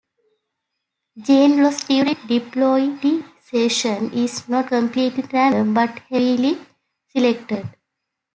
Gene loss during diploidization is not completely random, but heavily selected.